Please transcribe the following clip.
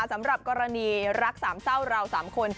สำหรับกรณีรักสามเศร้าเรา๓คน